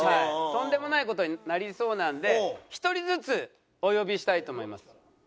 とんでもない事になりそうなんで１人ずつお呼びしたいと思います。